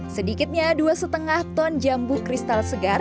sedikitnya dua lima ton jambu kristal segar